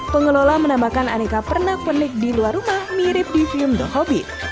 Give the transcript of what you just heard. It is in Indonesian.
pengelola menambahkan aneka pernah penik di luar rumah mirip di film the hobbit